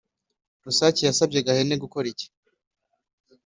rusake yasabye gahene gukora iki?